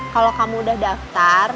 kalau kamu udah daftar